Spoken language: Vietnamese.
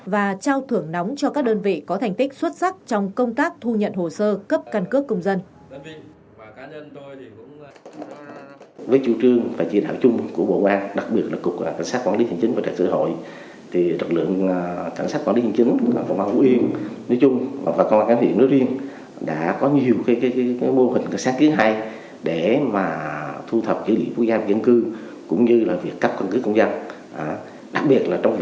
và trao thưởng nóng cho các đơn vị có thành tích xuất sắc trong công tác thu nhận hồ sơ cấp căn cước công dân